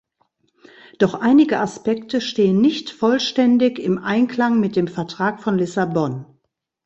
Doch einige Aspekte stehen nicht vollständig im Einklang mit dem Vertrag von Lissabon.